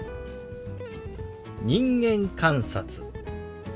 「人間観察」。